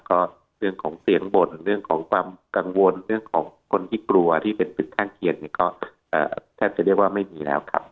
ก็เรื่องของเสียงบ่นเรื่องของความกังวลเรื่องของคนที่กลัวที่เป็นตึกข้างเคียงเนี่ยก็แทบจะเรียกว่าไม่มีแล้วครับ